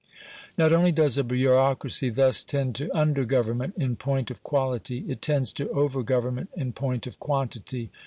Not only does a bureaucracy thus tend to under government, in point of quality; it tends to over government, in point of quantity.